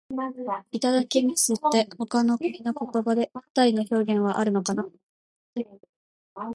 「いただきます」って、他の国の言葉でぴったりの表現はあるのかな。